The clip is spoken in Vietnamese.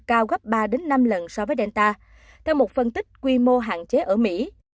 cao gấp ba năm lần so với delta theo một phân tích quy mô hạn chế ở mỹ